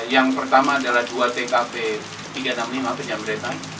yang pertama adalah dua tkp tiga ratus enam puluh lima penyamretan